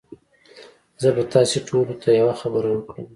زه به تاسي ټوله ته یوه خبره وکړم